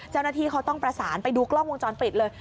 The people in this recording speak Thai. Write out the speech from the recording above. เจ้าหน้าที่เขาต้องประสานไปดูกล้องวงจรปิดเลย